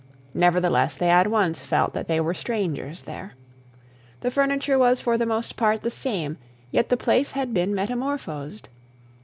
Nevertheless they at once felt that they were strangers there. The furniture was for the most part the same, yet the place had been metamorphosed.